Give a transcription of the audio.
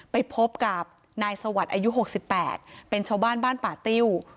ไปพบกับนายสวรรค์อายุ๖๘เป็นชาวบ้านป้าเตี้ยว